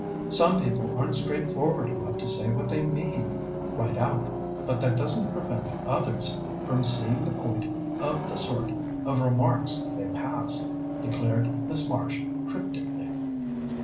"Some people aren't straightforward enough to say what they mean right out, but that doesn't prevent others from seeing the point of the sort of remarks they pass," declared Miss Marsh cryptically.